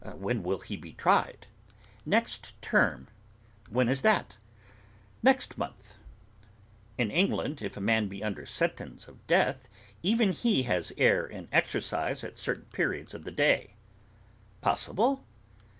'When will he be tried?' 'Next term.' 'When is that?' 'Next month.' 'In England, if a man be under sentence of death, even he has air and exercise at certain periods of the day.' 'Possible?